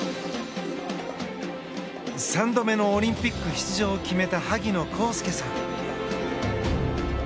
３度目のオリンピック出場を決めた萩野公介さん。